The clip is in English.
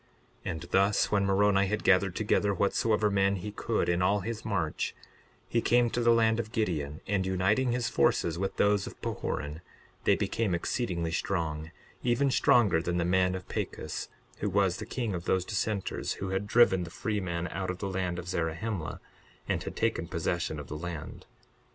62:6 And thus, when Moroni had gathered together whatsoever men he could in all his march, he came to the land of Gideon; and uniting his forces with those of Pahoran they became exceedingly strong, even stronger than the men of Pachus, who was the king of those dissenters who had driven the freemen out of the land of Zarahemla and had taken possession of the land.